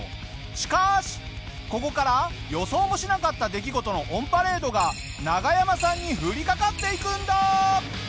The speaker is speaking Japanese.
しかしここから予想もしなかった出来事のオンパレードがナガヤマさんに降りかかっていくんだ。